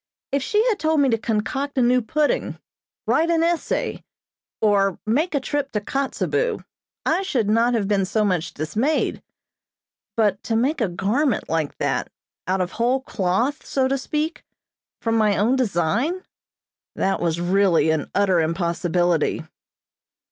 If she had told me to concoct a new pudding, write an essay, or make a trip to Kotzebue, I should not have been so much dismayed; but to make a garment like that, out of "whole cloth," so to speak, from my own design that was really an utter impossibility.